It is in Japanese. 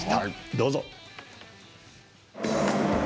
どうぞ。